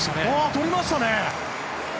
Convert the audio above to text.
とりましたね！